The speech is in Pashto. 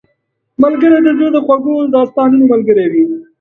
ملګری د زړه د خوږو داستانونو ملګری وي